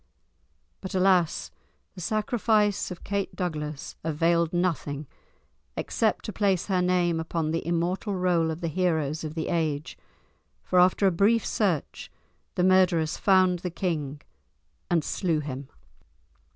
But alas! the sacrifice of Kate Douglas availed nothing except to place her name upon the immortal roll of the heroes of the ages, for after a brief search the murderers found the king and slew him.